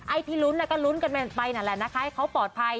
ที่ลุ้นก็ลุ้นกันไปนั่นแหละนะคะให้เขาปลอดภัย